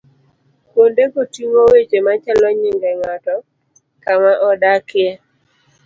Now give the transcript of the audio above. Kuondego ting'o weche machalo nyinge ng'ato, kama odakie